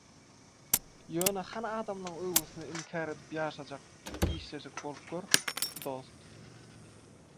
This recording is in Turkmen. ýöne hany adamlaň öwgüsini inkär edip ýaşajak, işlejek bolup gör, dost.